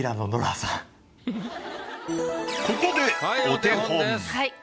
ここでお手本。